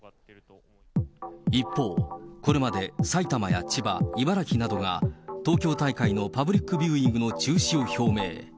一方、これまで埼玉や千葉、茨城などが東京大会のパブリックビューイングの中止を表明。